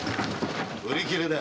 売り切れだよ。